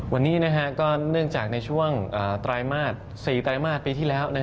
วันนี้ก็เนื่องจากในช่วงไตรมาส๔ไตรมาสปีที่แล้ว